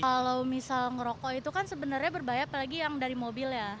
kalau misal ngerokok itu kan sebenarnya berbahaya apalagi yang dari mobil ya